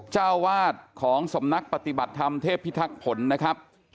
เจ้าวาดของสำนักปฏิบัติธรรมเทพพิทักษ์ผลนะครับ